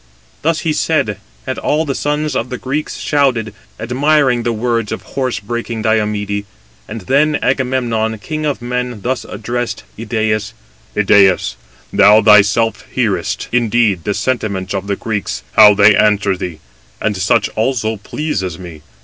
Thus he said, and all the sons of the Greeks shouted, admiring the words of horse breaking Diomede: and then Agamemnon, king of men, thus addressed Idæus: "Idæus, thou thyself hearest, indeed, the sentiments of the Greeks, how they answer thee; and such also pleases me.